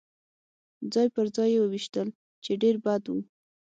ځای پر ځای يې وویشتل، چې ډېر بد و.